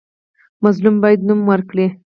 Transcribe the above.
مظلوم باید نوم ورکړي.